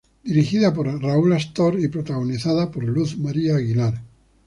Dirigida por Raúl Astor y protagonizada por Luz María Aguilar.